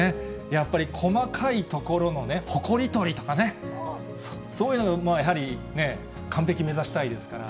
やっぱり細かい所のほこり取りとかね、そういうのもやはり、完璧目指したいですから。